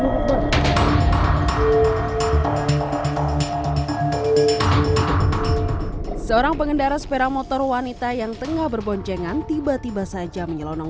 hai seorang pengendara sepeda motor wanita yang tengah berboncengan tiba tiba saja menyelonong